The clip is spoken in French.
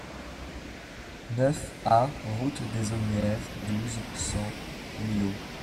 neuf A route des Aumières, douze, cent, Millau